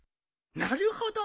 なるほど！